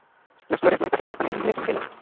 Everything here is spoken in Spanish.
Las flores blancas se agrupan en umbelas.